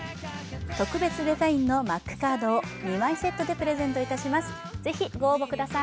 特別デザインのマックカードを２枚セットでプレゼントします。